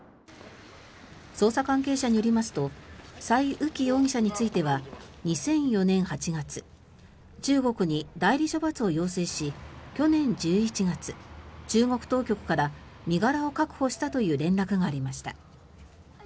捜査関係者によりますとサイ・ウキ容疑者については２００４年８月中国に代理処罰を要請し去年１１月、中国当局から身柄を確保したという連絡がありました。